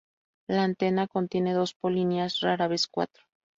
La antera contiene dos polinias, rara vez cuatro.